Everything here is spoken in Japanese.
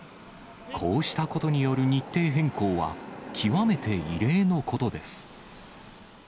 こうしたことによる日程変更は、極めて異例のことです。